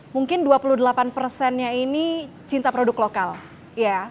mungkin dua puluh delapan persennya ini cinta produk lokal ya